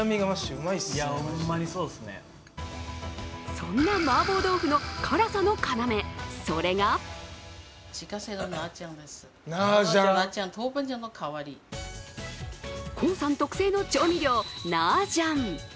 そんな麻婆豆腐の辛さの要、それが黄さん特製の調味料、ナージャン。